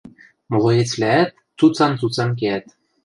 Млоецвлӓӓт цуцан-цуцан кеӓт.